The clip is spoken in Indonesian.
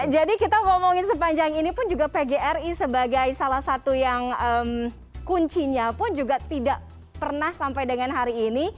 jadi kita ngomongin sepanjang ini pun juga pgri sebagai salah satu yang kuncinya pun juga tidak pernah sampai dengan hari ini